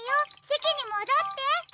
せきにもどって。